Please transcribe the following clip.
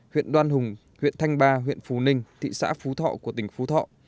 huyện đoan hùng huyện thanh ba huyện phú ninh thị xã phú thọ của tỉnh phú thọ